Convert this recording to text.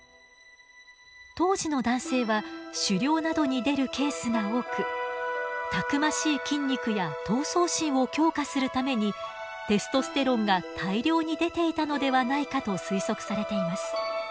当時の男性は狩猟などに出るケースが多くたくましい筋肉や闘争心を強化するためにテストステロンが大量に出ていたのではないかと推測されています。